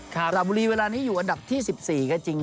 ราบุรีเวลานี้อยู่อันดับที่๑๔ก็จริง